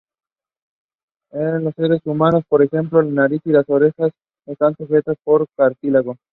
En los seres humanos, por ejemplo, la nariz y orejas están sustentadas por cartílago.